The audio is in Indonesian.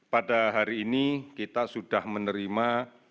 pada hari ini kita sudah menerima